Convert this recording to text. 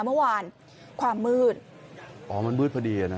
เมื่อวานความมืดอ๋อมันมืดพอดีอ่ะนะ